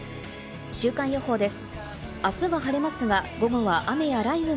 週間予報です。